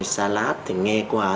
salad thì nghe qua